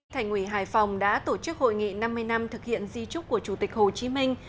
thành ủy hải phòng đã tổ chức hội nghị năm mươi năm thực hiện di trúc của chủ tịch hồ chí minh